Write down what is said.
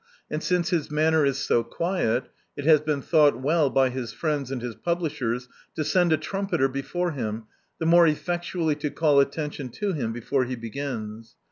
And since his manner is so quiet, it has been thou^t well by his friends and his publishers to send a trumpeter before bun the more effectually to call attention to him before he begins.